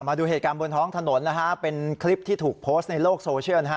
มาดูเหตุการณ์บนท้องถนนนะฮะเป็นคลิปที่ถูกโพสต์ในโลกโซเชียลนะฮะ